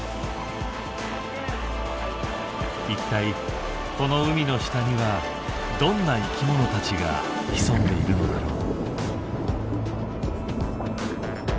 一体この海の下にはどんな生きものたちが潜んでいるのだろう。